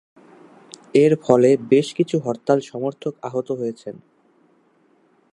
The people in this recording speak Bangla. এর ফলে বেশ কিছু হরতাল সমর্থক আহত হয়েছেন।